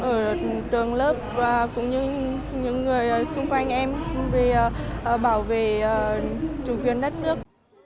ở trường lớp và cũng như những người xung quanh em về bảo vệ chủ quyền đất nước